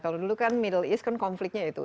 kalau dulu kan middle east kan konfliknya itu